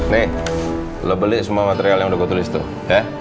nih lo beli semua material yang udah gue tulis tuh ya